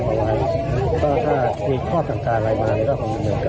ก็ถ้ามีข้อจังการรายการก็เดียวกันโหแต่มันก็อาจยังไม่ได้พูดคุยกับ